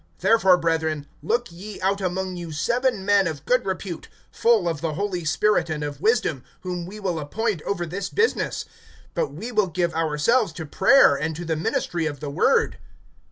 (3)Therefore, brethren, look ye out among you seven men of good repute, full of the Holy Spirit and of wisdom, whom we will appoint over this business. (4)But we will give ourselves to prayer, and to the ministry of the word.